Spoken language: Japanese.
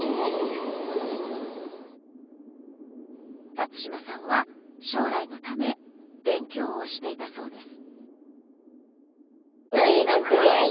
辰島さんは将来のため勉強をしていたそうです。